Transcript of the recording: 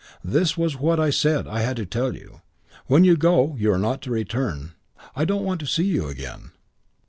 "This was what I said I had to tell you. When you go, you are not to return. I don't want to see you again."